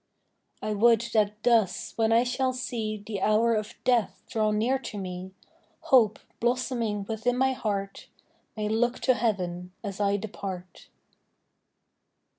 I would that thus, when I shall see The hour of death draw near to me, Hope, blossoming within my heart, May look to heaven as I depart.